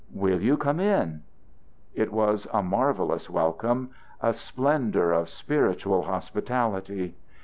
"Will you come in?" It was a marvelous welcome, a splendor of spiritual hospitality.